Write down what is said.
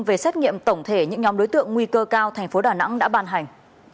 về xét nghiệm tổng thể những nhóm đối tượng nguy cơ cao thành phố đà nẵng đã ban hành